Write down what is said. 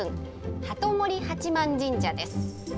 鳩森八幡神社です。